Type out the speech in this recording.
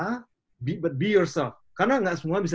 tapi jadi diri sendiri karena tidak semua bisa